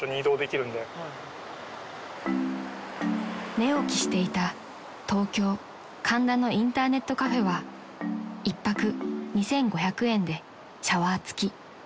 ［寝起きしていた東京神田のインターネットカフェは１泊２，５００円でシャワー付き］